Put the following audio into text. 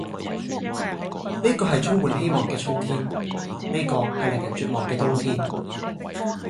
呢個係充滿希望嘅春天，呢個係令人絕望嘅冬天，